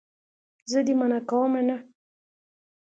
زه دې منع کومه نه.